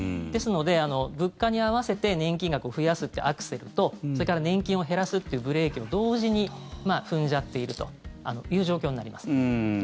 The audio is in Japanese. ですので、物価に合わせて年金額を増やすというアクセルとそれから年金を減らすというブレーキを同時に踏んじゃっているという状況になります。